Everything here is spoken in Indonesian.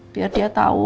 biar dia tau